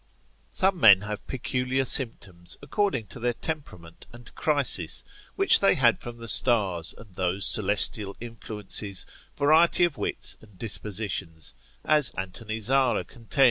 Some men have peculiar symptoms, according to their temperament and crisis, which they had from the stars and those celestial influences, variety of wits and dispositions, as Anthony Zara contends, Anat.